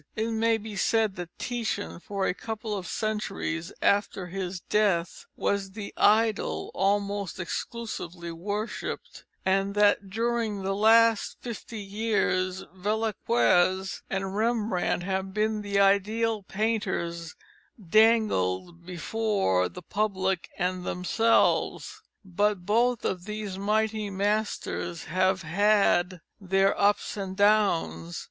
It may be said that Titian, for a couple of centuries after his death, was the idol almost exclusively worshipped, and that during the last fifty years Velazquez and Rembrandt have been the ideals painters have dangled before the public and themselves. But both of these mighty masters have had their ups and downs.